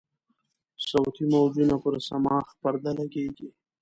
صوتي موجونه پر صماخ پرده لګیږي.